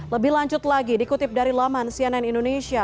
lebih lanjut lagi dikutip dari laman cnn indonesia